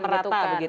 merata begitu ya